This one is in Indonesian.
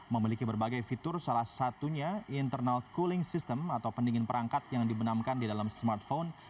memiliki berbagai fitur salah satunya internal cooling system atau pendingin perangkat yang dibenamkan di dalam smartphone